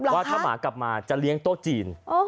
ว่าถ้าหมากลับมาจะเลี้ยงโต๊ะจีน